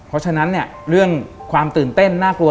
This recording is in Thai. เพราะฉะนั้นเนี่ยเรื่องความตื่นเต้นน่ากลัว